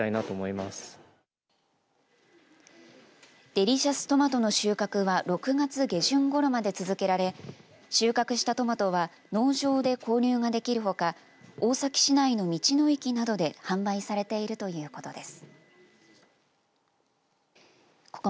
デリシャストマトの収穫は６月下旬ごろまで続けられ収穫したトマトは農場で購入ができるほか大崎市内の道の駅などで販売されているということです。